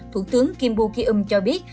thủ tướng kim buk yong cho biết